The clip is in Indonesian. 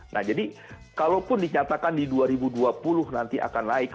nah jadi kalaupun dinyatakan di dua ribu dua puluh nanti akan naik